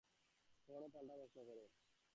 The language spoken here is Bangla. কখনো পালটা প্রশ্ন করে।